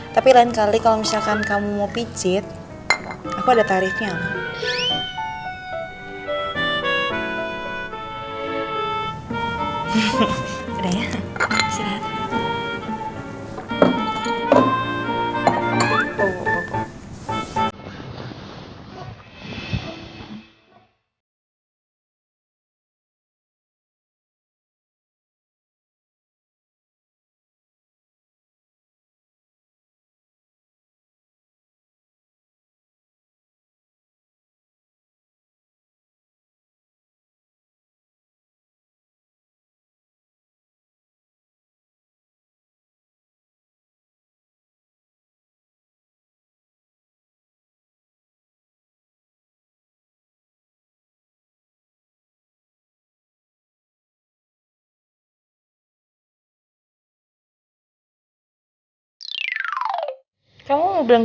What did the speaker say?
tapi lain kali kalau misalkan kamu mau picit aku ada tarifnya lah